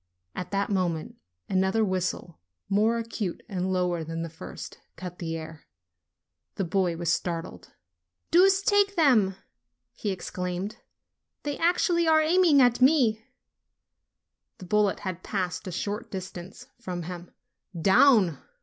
At that mo ment, another whistle, more acute and lower than the first, cut the air. The boy was startled. "Deuce take them!" he exclaimed. "They actually are aiming at me \" The bullet had passed at a short distance from him. "Down